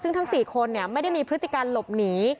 ซึ่งทั้ง๔คนไม่ได้มีพฤติการหลบหนี